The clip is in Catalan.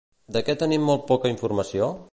De què tenim molt poca informació?